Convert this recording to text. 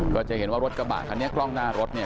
ก็จะเห็นว่ารถกระบะคันนี้กล้องหน้ารถเนี่ย